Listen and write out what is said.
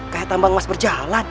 kaya tambang emas berjalan